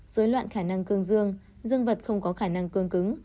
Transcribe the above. dối loạn khả năng cương dương vật không có khả năng cương cứng